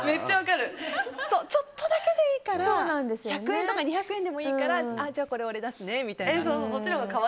ちょっとだけでいいから１００円とか２００円でもいいからこれ、俺出すねみたいな。